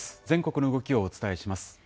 全国の動きをお伝えします。